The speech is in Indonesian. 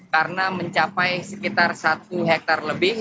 karena mencapai sekitar satu hektare lebih